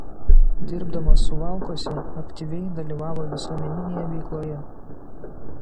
Dirbdamas Suvalkuose aktyviai dalyvavo visuomeninėje veikloje.